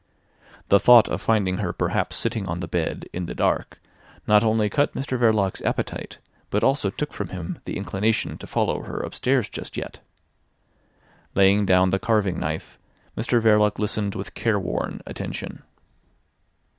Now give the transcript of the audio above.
The thought of finding her perhaps sitting on the bed in the dark not only cut Mr Verloc's appetite, but also took from him the inclination to follow her upstairs just yet. Laying down the carving knife, Mr Verloc listened with careworn attention.